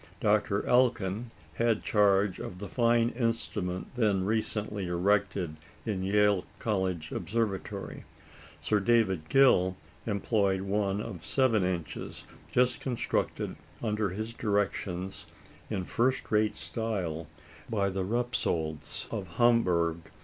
Dr. Elkin had charge of the fine instrument then recently erected in Yale College Observatory; Sir David Gill employed one of seven inches, just constructed under his directions, in first rate style, by the Repsolds of Hamburg.